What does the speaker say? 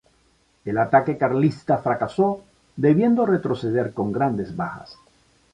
El ataque carlista fracasó, debiendo retroceder con grandes bajas.